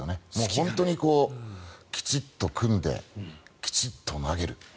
本当にきちんと組んできちんと投げる。